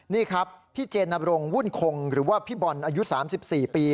นี่ครับพี่เจนบรงวุ่นคงหรือว่าพี่บอลอายุ๓๔ปี